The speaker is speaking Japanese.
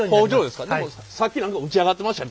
でもさっき何か打ち上がってましたよ。